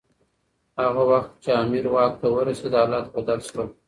هغه وخت چي امیر واک ته ورسېد حالات بدل شول.